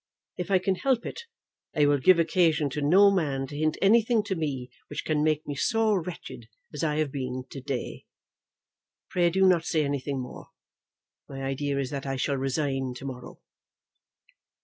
If I can help it, I will give occasion to no man to hint anything to me which can make me be so wretched as I have been to day. Pray do not say anything more. My idea is that I shall resign to morrow."